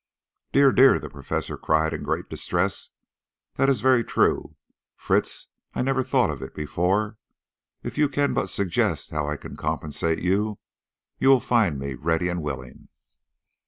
"Dear, dear!" the Professor cried in great distress. "That is very true, Fritz. I never thought of it before. If you can but suggest how I can compensate you, you will find me ready and willing."